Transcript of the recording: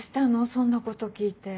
そんなこと聞いて。